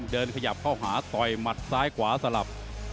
ขยับเข้าหาต่อยหมัดซ้ายขวาสลับ